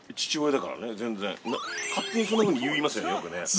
勝手にそんなふうに言いますよ、よくね。